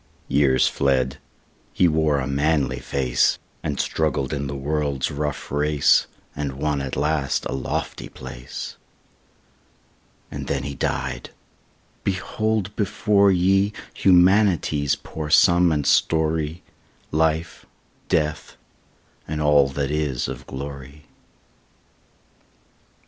Years fled; he wore a manly face, And struggled in the world's rough race, And won at last a lofty place. And then he died! Behold before ye Humanity's poor sum and story; Life, Death, and all that is of glory.